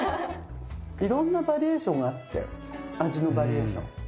いろんなバリエーションがあって味のバリエーション。